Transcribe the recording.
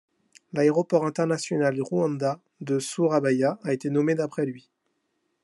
L'aéroport international Juanda de Surabaya a été nommé d'après lui.